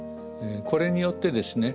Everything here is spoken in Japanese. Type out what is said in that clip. これによってですね